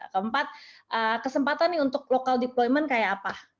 keempat kesempatan nih untuk local deployment kayak apa